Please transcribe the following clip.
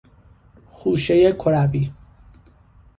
خوشهی کروی